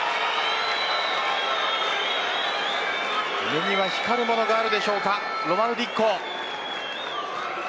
目には光るものがあるでしょうかロマヌ・ディッコ。